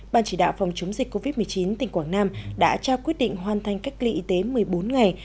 ban chỉ đạo phòng chống dịch covid một mươi chín tỉnh quảng nam đã trao quyết định hoàn thành cách ly y tế một mươi bốn ngày